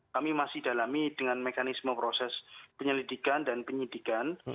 kami masih dalami dengan mekanisme proses penyelidikan dan penyidikan